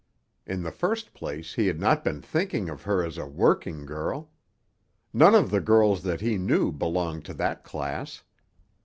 In the first place, he had not been thinking of her as a "working girl." None of the girls that he knew belonged to that class.